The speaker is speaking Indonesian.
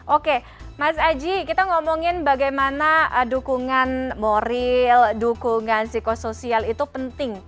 oke mas aji kita ngomongin bagaimana dukungan moral dukungan psikosoial itu penting